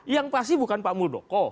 yang pasti bukan pak muldoko